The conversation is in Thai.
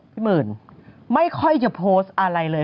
พี่หมื่นไม่ค่อยจะโพสต์อะไรเลย